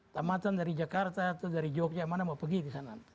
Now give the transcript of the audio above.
tamatan dari jakarta atau dari jogja mana mau pergi ke sana